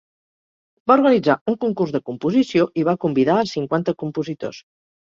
Va organitzar un concurs de composició i va convidar a cinquanta compositors.